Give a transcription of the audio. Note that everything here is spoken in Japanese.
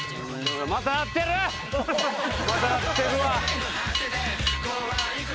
・また鳴ってるわ。